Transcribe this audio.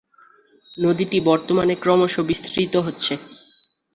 নদীটি বর্তমানে ক্রমশ বিস্তৃত হচ্ছে।